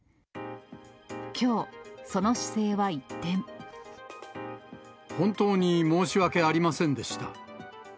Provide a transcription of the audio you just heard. きょう、本当に申し訳ありませんでした。